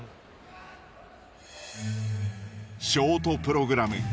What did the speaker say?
ショートプログラム。